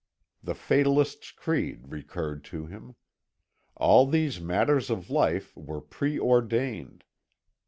The fatalist's creed recurred to him. All these matters of life were preordained.